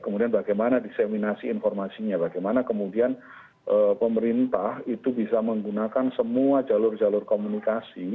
kemudian bagaimana diseminasi informasinya bagaimana kemudian pemerintah itu bisa menggunakan semua jalur jalur komunikasi